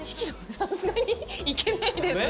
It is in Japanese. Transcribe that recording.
さすがにいけないです。